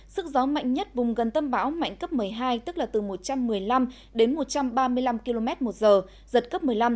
sức gió mạnh nhất vùng gần tâm bão mạnh cấp một mươi hai tức là từ một trăm một mươi năm đến một trăm ba mươi năm km một giờ giật cấp một mươi năm